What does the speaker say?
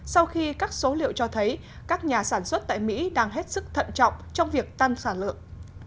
sau khi các số liệu cho thấy các nhà sản xuất tại mỹ đang hết sức thận trọng trong việc tăng sản lượng